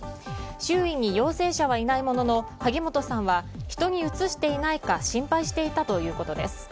周囲に陽性者はいないものの萩本さんは人にうつしていないか心配していたということです。